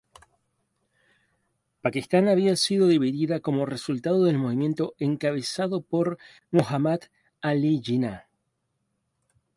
Pakistán había sido dividida como resultado del movimiento encabezado por Muhammad Ali Jinnah.